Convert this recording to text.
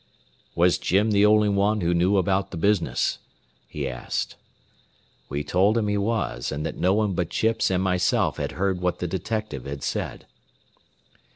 "Was Jim the only one who knew about the business?" he asked. We told him he was, and that no one but Chips and myself had heard what the detective had said.